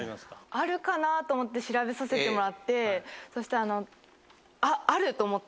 あるかな？と思って調べさせてもらってそしたらある！と思って。